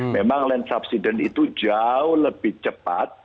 memang land subsidence itu jauh lebih cepat